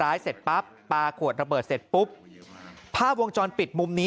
ร้ายเสร็จปั๊บปากอะไรปวดระเบิดเสร็จปุ๊บภาพวงจรปิดมุมนี้